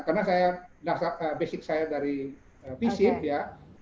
karena saya basic saya dari fisik ya